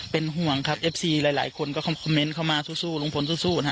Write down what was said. เป็นห่วงครับเอฟซีหลายคนก็คอมเมนต์เข้ามาสู้ลุงพลสู้นะฮะ